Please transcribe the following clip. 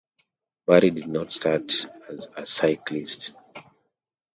Barry did not start as a cyclist.